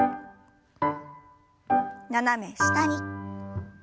斜め下に。